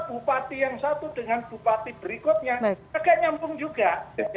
bupati yang satu dengan bupati berikutnya agak nyambung juga